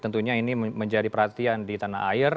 tentunya ini menjadi perhatian di tanah air